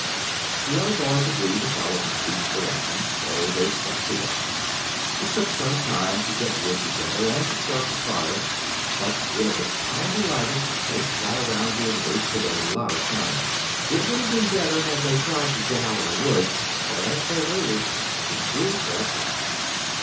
The other boys agreed to follow the chief's direction. So they set to work. It took some time to get wood together, and to start the fire, but when it was finally lighted, they sat around it and wasted a lot of time. It would have been better had they tried to get out of the woods, for as they waited, it grew darker.